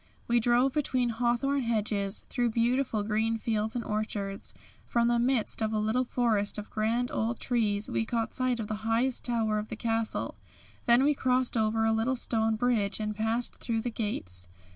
We drove between hawthorn hedges, through beautiful green fields and orchards. From the midst of a little forest of grand old trees we caught sight of the highest tower of the castle, then we crossed over a little stone bridge and passed through the gates.